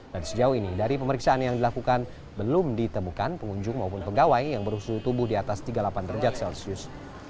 sejauh ini dari pemeriksaan yang dilakukan belum ditemukan pengunjung maupun pegawai yang berhusuhu tubuh di atas tiga puluh delapan derajat celcius